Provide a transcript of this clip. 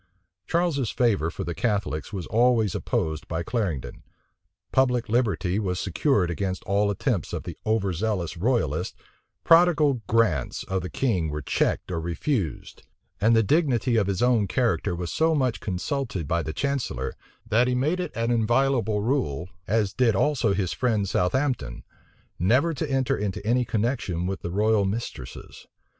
Charles's favor for the Catholics was always opposed by Clarendon, public liberty was secured against all attempts of the over zealous royalists, prodigal grants of the king were checked or refused, and the dignity of his own character was so much consulted by the chancellor, that he made it an inviolable rule, as did also his friend Southampton, never to enter into any connection with the royal mistresses.